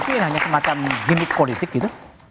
bagi pdip ini hanya semacam gimmick politik gitu